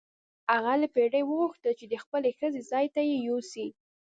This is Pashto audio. هغه له پیري وغوښتل چې د خپلې ښځې ځای ته یې یوسي.